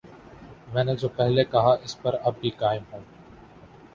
میں نے جو پہلے کہا ،اس پر اب بھی قائم ہوں